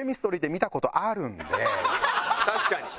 確かに。